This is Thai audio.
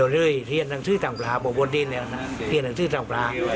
เรียนทางสื่อทางฝราบอกว่าดินเรียนทางสื่อทางฝรา